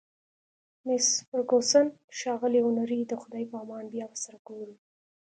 مس فرګوسن: ښاغلی هنري، د خدای په امان، بیا به سره ګورو.